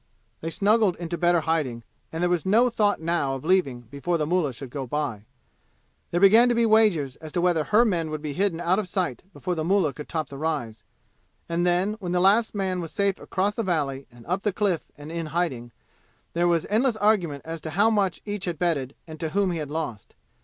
They snuggled into better hiding, and there was no thought now of leaving before the mullah should go by. There began to be wagers as to whether her men would be hidden out of sight before the mullah could top the rise; and then, when the last man was safe across the valley and up the cliff and in hiding, there was endless argument as to how much each had betted and to whom he had lost.